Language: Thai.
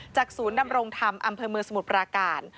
จากศูนนำโรงธรรมอำเภอมือสมุทรประการ